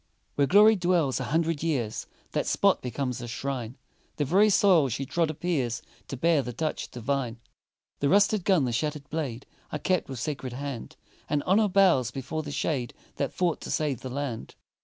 Where Glory dwells a hundred years, That spot becomes a shrine, The very soil she trod appears To bear the touch divine; The rusted gun, the shattered blade, Are kept with sacred hand, And Honor bows before the shade That fought to save the land.